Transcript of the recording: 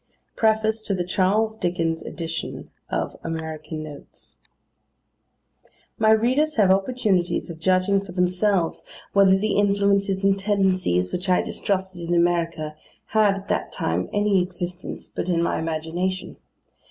PREFACE TO THE "CHARLES DICKENS" EDITION OF "AMERICAN NOTES" MY readers have opportunities of judging for themselves whether the influences and tendencies which I distrusted in America, had, at that time, any existence but in my imagination.